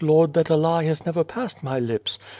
Lord, that a lie has never passed my lips.